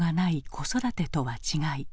子育てとは違い